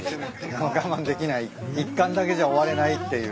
我慢できない１貫だけじゃ終われないっていう。